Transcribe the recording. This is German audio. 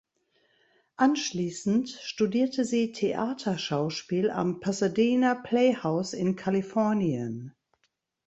Anschließend studierte sie Theaterschauspiel am Pasadena Playhouse in Kalifornien.